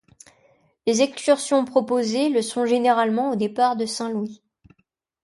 Les excursions proposées le sont généralement au départ de Saint-Louis.